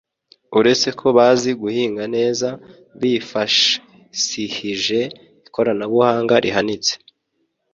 uretse ko bazi guhinga neza bifashsihije ikoranabuhanga rihanitse